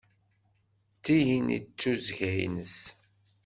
D tin i d tuzzga-ines.